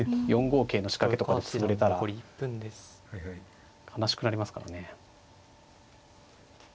４五桂の仕掛けとかで潰れたら悲しくなりますからね。